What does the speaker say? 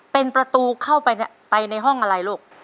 เป็นประตูเข้าไปไปในห้องอะไรลูก